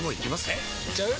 えいっちゃう？